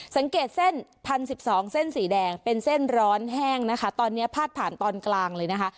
สังเกตเส้น๑๐๑๒เส้นสีแดงเป็นเส้นร้อนแห้งนะคะตอนนี้พาดผ่านตอนกลางเลยนะคะ